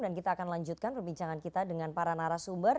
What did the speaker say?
dan kita akan lanjutkan perbincangan kita dengan para narasumber